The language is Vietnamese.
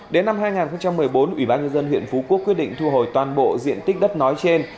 đến năm hai nghìn một mươi bốn ủy ban nhân dân huyện phú quốc quyết định thu hồi toàn bộ diện tích đất nói trên